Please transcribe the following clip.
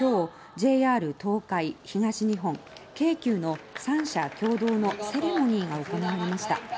ＪＲ東海、東日本、京急の３社共同のセレモニーが行われました。